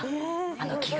あの木が」